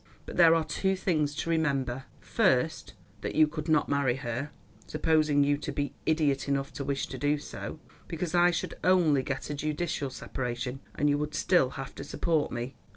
But there are two things to remember: first, that you could not marry her, supposing you to be idiot enough to wish to do so, because I should only get a judicial separation, and you would still have to support me.